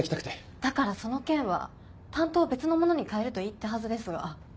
だからその件は担当を別の者に代えると言ったはずですが。